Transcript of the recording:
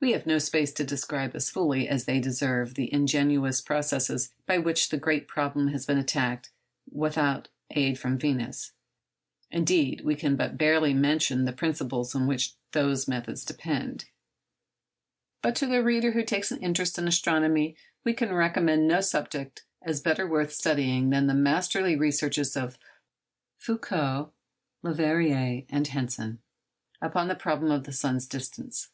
We have no space to describe as fully as they deserve the ingenious processes by which the great problem has been attacked without aid from Venus. Indeed, we can but barely mention the principles on which those methods depend. But to the reader who takes interest in astronomy, we can recommend no subject as better worth studying than the masterly researches of Foucault, Leverrier, and Hansen upon the problem of the sun's distance.